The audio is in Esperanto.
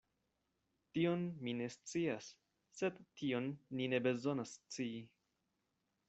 Tion mi ne scias; sed tion ni ne bezonas scii.